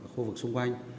khu vực xung quanh